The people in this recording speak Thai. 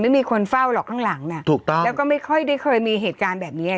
ไม่มีคนเฝ้าหรอกข้างหลังน่ะถูกต้องแล้วก็ไม่ค่อยได้เคยมีเหตุการณ์แบบนี้อ่ะ